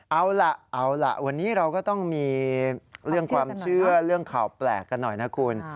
เอาล่ะเอาล่ะวันนี้เราก็ต้องมีเรื่องความเชื่อเรื่องข่าวแปลกกันหน่อยนะคุณ